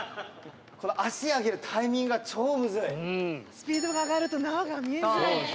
スピードが上がると縄が見えづらいんだ。